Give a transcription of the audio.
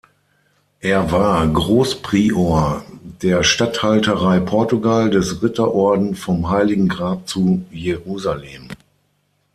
Er war Großprior der Statthalterei Portugal des Ritterorden vom Heiligen Grab zu Jerusalem.